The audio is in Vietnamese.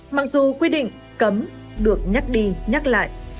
mặc dù quy định cấm được nhắc đi nhắc lại